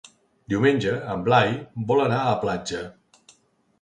Diumenge en Blai vol anar a la platja.